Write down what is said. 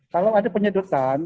kalau ada penyedotan